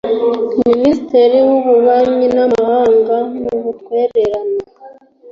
Minisitiri w’Ububanyi n’amahanga n’ubutwererane